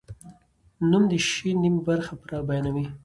نوم د شي نیمه برخه بیانوي.